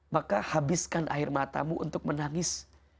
maka habiskan air matamu untuk menangis